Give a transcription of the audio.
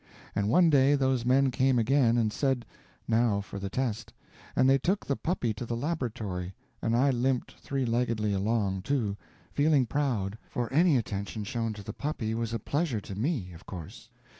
And one day those men came again, and said, now for the test, and they took the puppy to the laboratory, and I limped three leggedly along, too, feeling proud, for any attention shown to the puppy was a pleasure to me, of course.